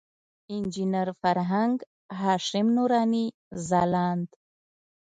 انجینر فرهنګ، هاشم نوراني، ځلاند.